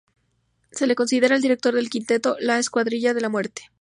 Se le considera el director del quinteto "la Escuadrilla de la Muerte".